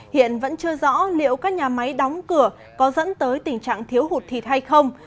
hiện vẫn chưa rõ liệu các nhà máy đóng cửa có dẫn tới tình trạng thiếu hụt thịt hay không